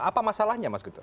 apa masalahnya mas guntur